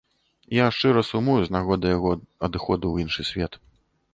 Я шчыра сумую з нагоды яго адыходу ў іншы свет.